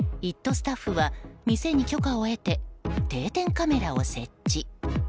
スタッフは店に許可を得て定点カメラを設置。